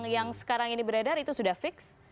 yang sekarang ini beredar itu sudah fix